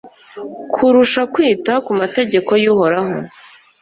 kurusha kwita ku mategeko y'uhoraho